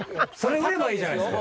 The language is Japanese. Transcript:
売ればいいじゃないですか。